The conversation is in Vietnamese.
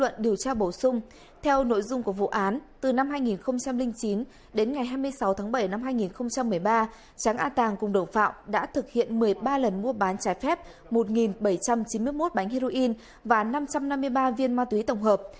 ngày hai mươi sáu tháng bảy năm hai nghìn một mươi ba trắng a tàng cùng đồng phạm đã thực hiện một mươi ba lần mua bán trái phép một bảy trăm chín mươi một bánh heroin và năm trăm năm mươi ba viên ma túy tổng hợp